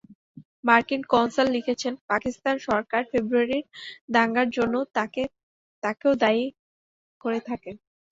মার্কিন কনসাল লিখেছেন, পাকিস্তান সরকার ফেব্রুয়ারির দাঙ্গার জন্য তাঁকেও দায়ী করে থাকে।